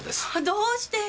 どうしてよ！